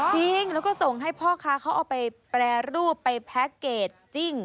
จริงแล้วก็ส่งให้พ่อค้าเขาเอาไปแปรรูปไปแพ็คเกจจิ้ง